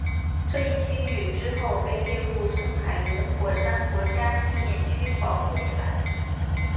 这一区域之后被列入圣海伦火山国家纪念区保护起来。